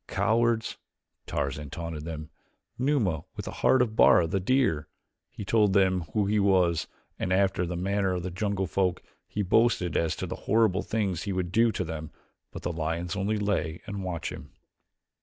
"Cowards," Tarzan taunted them. "Numa with a heart of Bara, the deer." He told them who he was, and after the manner of the jungle folk he boasted as to the horrible things he would do to them, but the lions only lay and watched him.